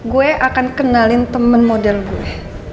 gue akan kenalin temen model gue